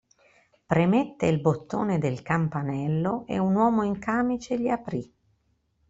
Premette il bottone del campanello e un uomo in camice gli aprì.